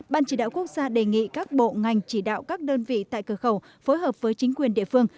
ban chỉ đạo quốc gia đề nghị các bộ ngành chỉ đạo các đơn vị tại cửa khẩu phối hợp với chính quyền địa phương